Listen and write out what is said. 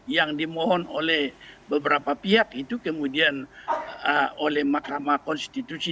yang dimohon oleh beberapa pihak itu kemudian oleh mahkamah konstitusi